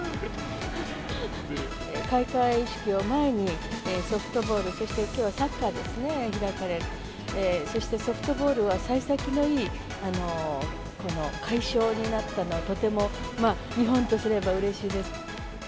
開会式を前に、ソフトボール、そしてきょうはサッカーですね、開かれて、そしてソフトボールはさい先のいい、この快勝になったのは、とてもまあ、日本とすればうれしいです。